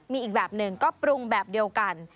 มีอีกแบบหนึ่งก็ปรุงแบบเดียวกัน